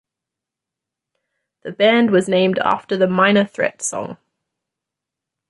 The band was named after the Minor Threat song.